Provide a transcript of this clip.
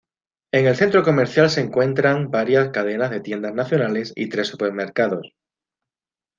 En el centro comercial se encuentran varias cadenas de tiendas nacionales y tres supermercados.